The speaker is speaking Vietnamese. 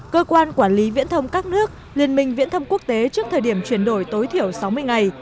cơ quan quản lý viễn thông các nước liên minh viễn thông quốc tế trước thời điểm chuyển đổi tối thiểu sáu mươi ngày